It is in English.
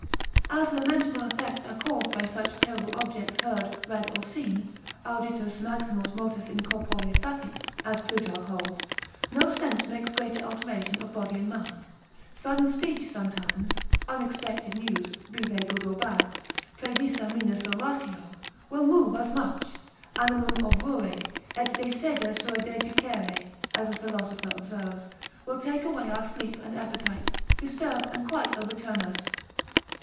As lamentable effects are caused by such terrible objects heard, read, or seen, auditus maximos motus in corpore facit, as Plutarch holds, no sense makes greater alteration of body and mind: sudden speech sometimes, unexpected news, be they good or bad, praevisa minus oratio, will move as much, animum obruere, et de sede sua dejicere, as a philosopher observes, will take away our sleep and appetite, disturb and quite overturn us.